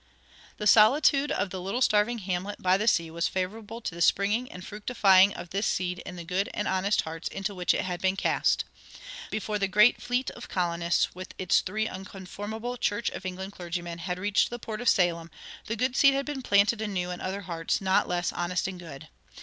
The solitude of the little starving hamlet by the sea was favorable to the springing and fructifying of this seed in the good and honest hearts into which it had been cast. Before the great fleet of colonists, with its three unconformable Church of England clergymen, had reached the port of Salem the good seed had been planted anew in other hearts not less honest and good.